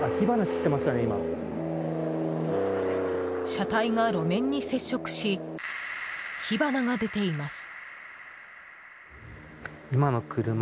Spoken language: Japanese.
車体が路面に接触し火花が出ています。